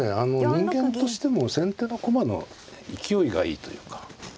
人間としても先手の駒の勢いがいいというか。